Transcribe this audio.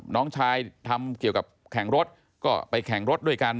น้องชายทำเกี่ยวกับแข่งรถก็ไปแข่งรถด้วยกัน